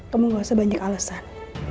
kamu gak usah banyak alesan